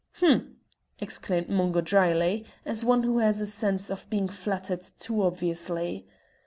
"H'm!" exclaimed Mungo dryly, as one who has a sense of being flattered too obviously.